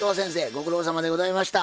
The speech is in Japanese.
ご苦労さまでございました。